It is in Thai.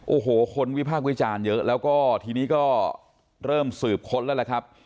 โอ้โหคนวิพากษ์วิจารณ์เยอะแล้วก็ทีนี้ก็เริ่มสืบค้นแล้วล่ะครับ